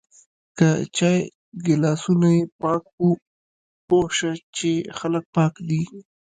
که چای ګلاسونه یی پاک و پوهه شه چی خلک پاک دی